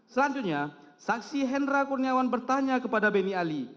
selanjutnya saksi hendra kurniawan bertanya kepada beni ali